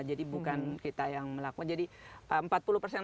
jadi bukan kita yang melakukan